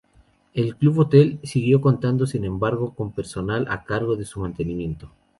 El Club Hotel siguió contando sin embargo con personal a cargo de su mantenimiento.